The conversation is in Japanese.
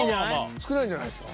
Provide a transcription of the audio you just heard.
少ないんじゃないですか？